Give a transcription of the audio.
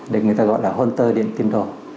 đấy người ta gọi là hunter điện tâm đồ